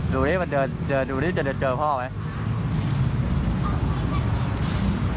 ดูนี่มันเดินเดินดูนี่มันจะเดินเจอพ่อไหม